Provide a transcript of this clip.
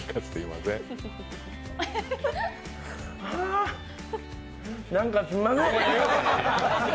はぁ、なんかすいません。